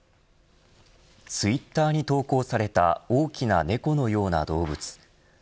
ツイッターに投稿された大きな猫のような動物。